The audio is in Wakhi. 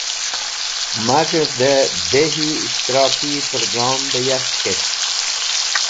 Maz̃hey de Dehi Ishtiraki Program be yark k̃hetk